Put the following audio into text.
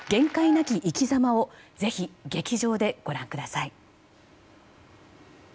なき生き様をぜひ、劇場でご覧ください。